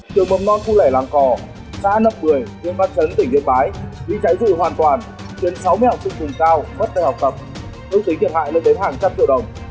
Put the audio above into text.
trường mầm non khu lẻ làng cò xã nập bười tuyên văn chấn tỉnh điện bái bị cháy dụ hoàn toàn chuyển sáu mươi học sinh cùng cao mất tài học tập thông tính thiệt hại lên đến hàng trăm triệu đồng